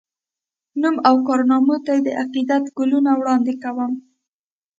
نوم او کارنامو ته یې د عقیدت ګلونه وړاندي کوم